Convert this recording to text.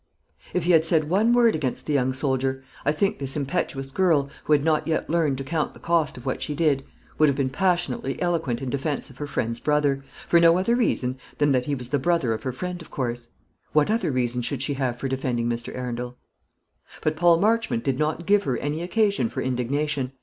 If he had said one word against the young soldier, I think this impetuous girl, who had not yet learned to count the cost of what she did, would have been passionately eloquent in defence of her friend's brother for no other reason than that he was the brother of her friend, of course; what other reason should she have for defending Mr. Arundel? But Paul Marchmont did not give her any occasion for indignation.